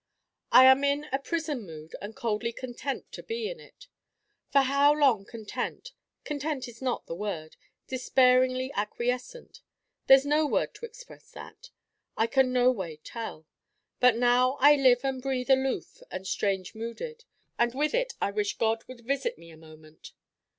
I am in a prison mood and coldly content to be in it. For how long content content is not the word: despairingly acquiescent there's no word to express that I can noway tell. But now I live and breathe aloof and strange mooded. And with it I wish God would visit me a moment.